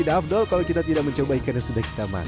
tidak afdol kalau kita tidak mencoba ikan yang sudah kita masak